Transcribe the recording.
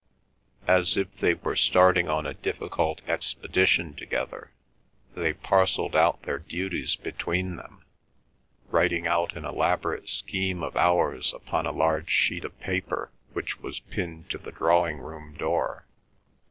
As if they were starting on a difficult expedition together, they parcelled out their duties between them, writing out an elaborate scheme of hours upon a large sheet of paper which was pinned to the drawing room door.